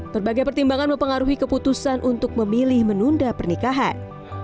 berbagai pertimbangan mempengaruhi keputusan untuk memilih menunda pernikahan